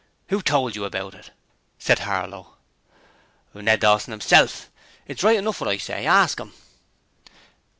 'Who told you about it?' said Harlow. 'Ned Dawson 'imself. It's right enough what I say. Ask 'im.'